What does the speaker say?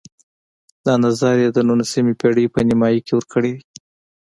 دا نظر یې د نولسمې پېړۍ په نیمایي کې ورکړی دی.